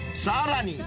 ［さらに］